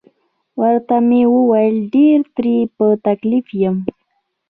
ورته مې وویل: ډیر ترې په تکلیف یم.